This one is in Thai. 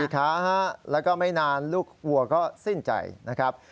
แล้วก็ไม่นานลูกวัวก็สิ้นใจนะครับ